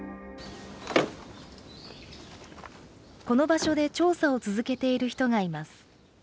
この場所で調査を続けている人がいます。